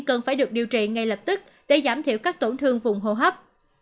cần phải được điều trị ngay lập tức để giảm thiểu các tổn thương vùng hô hấp